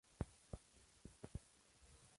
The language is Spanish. Situada sobre el presbiterio y la sacristía.